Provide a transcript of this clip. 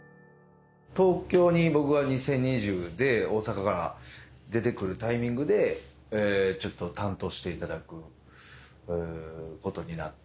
「東京に僕が２０２０で大阪から出てくるタイミングでちょっと担当していただくことになった」